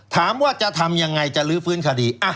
ถามว่าจะทำยังไงจะลื้อฟื้นคดี